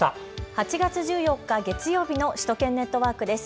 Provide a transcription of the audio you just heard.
８月１４日月曜日の首都圏ネットワークです。